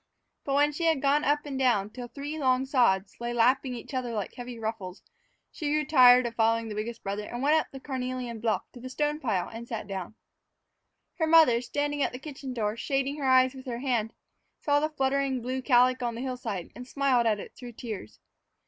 But when she had gone up and down till three long sods lay lapping each other like heavy ruffles, she grew tired of following the biggest brother and went up the carnelian bluff to the stone pile and sat down. Her mother, standing at the kitchen door, shading her eyes with her hand, saw the fluttering blue calico on the hillside and smiled at it through tears.